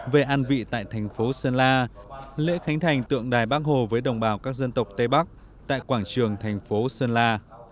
về an vị tại thành phố sơn la lễ khánh thành tượng đài bắc hồ với đồng bào các dân tộc tây bắc tại quảng trường thành phố sơn la